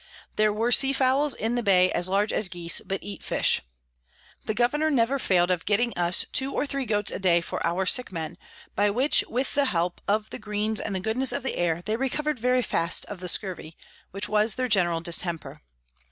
There were Sea Fowls in the Bay as large as Geese, but eat fish. The Governour never fail'd of getting us two or three Goats a day for our sick Men, by which with the help of the Greens and the Goodness of the Air they recover'd very fast of the Scurvy, which was their general Distemper.